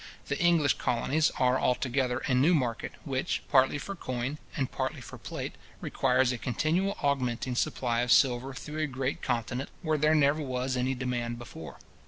The English colonies are altogether a new market, which, partly for coin, and partly for plate, requires a continual augmenting supply of silver through a great continent where there never was any demand before.